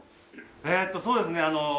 えーとそうですねあの。